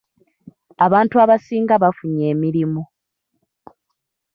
Abantu abasinga bafunye emirimu.